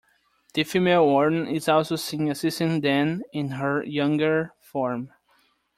The female warden is also seen assisting them in her younger form.